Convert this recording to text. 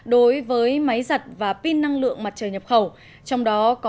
đối với máy giặt và pin